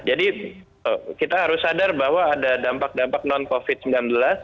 jadi kita harus sadar bahwa ada dampak dampak non covid sembilan belas